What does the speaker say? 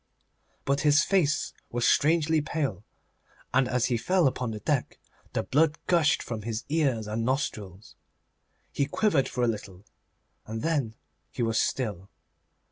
But his face was strangely pale, and as he fell upon the deck the blood gushed from his ears and nostrils. He quivered for a little, and then he was still.